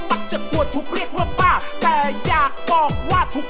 เพราะฉะนั้นเนี่ยหัวใจของเราก็คือ